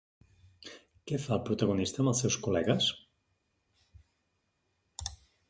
Què fa el protagonista amb els seus col·legues?